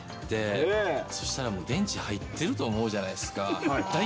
帰って、そしたらもう、電池入ってると思うじゃないですか。